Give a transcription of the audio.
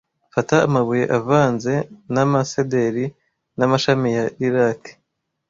Fata amabuye avanze n'amasederi n'amashami ya lilac,